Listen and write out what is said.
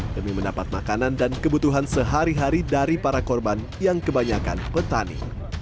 demi mendapat makanan dan kebutuhan sehari hari dari para korban yang kebanyakan petani